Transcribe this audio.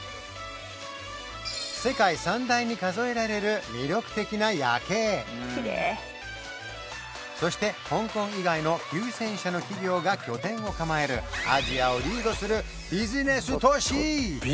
世界３大に数えられる魅力的な夜景そして香港以外の９０００社の企業が拠点を構えるアジアをリードするビジネス都市